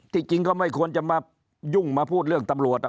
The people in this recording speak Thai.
จริงก็ไม่ควรจะมายุ่งมาพูดเรื่องตำรวจ